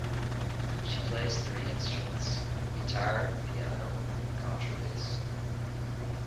She plays three instruments; guitar, piano and contrabass.